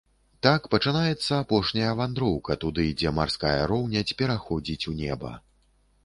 Так пачынаецца апошняя вандроўка туды, дзе марская роўнядзь пераходзіць у неба.